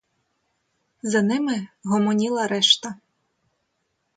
За ними гомоніла решта.